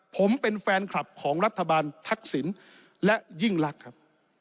ผมเป็นแฟนคลับของรัฐบาลทักษิณและยิ่งรักครับ